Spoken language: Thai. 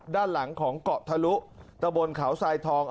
ด้านหลังของเกาะทะลุตะบนเขาทรายทอง